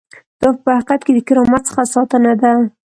دا په حقیقت کې د کرامت څخه ساتنه ده.